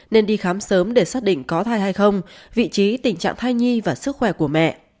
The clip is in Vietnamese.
nên đi khám sớm để xác định có thai hay không vị trí tình trạng thai nhi và sức khỏe của mẹ